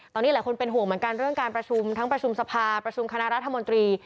ตอนนี้หลายคนเป็นห่วงเหมือนกันเรื่องการประชุมทั้งประชุมสภาประชุมคณะรัฐมนตรี